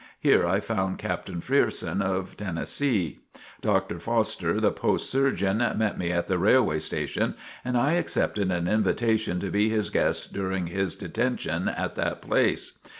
Here I found Captain Frierson of Tennessee. Dr. Foster the Post Surgeon, met me at the railway station and I accepted an invitation to be his guest during his detention at that place.